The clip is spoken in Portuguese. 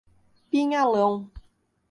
Pinhalão